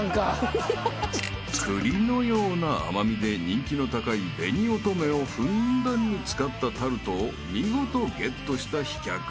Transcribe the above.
［栗のような甘味で人気の高い紅乙女をふんだんに使ったタルトを見事ゲットした飛脚］